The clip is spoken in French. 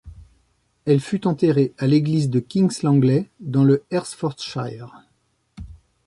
Elle fut enterrée à l'église de Kings Langley, dans le Hertfordshire.